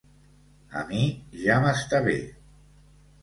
A mi ja m'està bé.